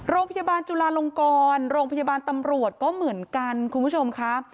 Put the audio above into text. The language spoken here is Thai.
โรงพยาบาลจุลาลงกรโรงพยาบาลตำรวจก็เหมือนกันคุณผู้ชมค่ะ